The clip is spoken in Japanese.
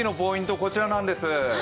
こちらなんです。